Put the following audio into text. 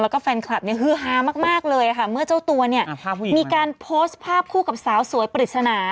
แล้วก็แฟนคลับเนี่ยฮือฮามากเลยค่ะเมื่อเจ้าตัวเนี่ยมีการโพสต์ภาพคู่กับสาวสวยปริศนา